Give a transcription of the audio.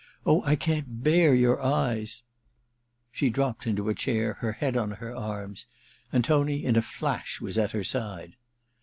Oh, I can't bear your eyes !* She dropped into a chair, her head on her arms, and Tony in a flash was at her side.